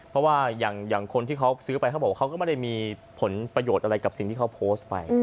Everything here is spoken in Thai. เพราะว่าอย่างคนที่เขาซื้อไปเขาบอกว่าเขาก็ไม่ได้มีผลประโยชน์อะไรกับสิ่งที่เขาโพสต์ไป